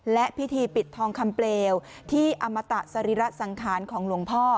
และพิธีปิดทองคำเปลวที่อมตะสรีระสังขารของหลวงพ่อ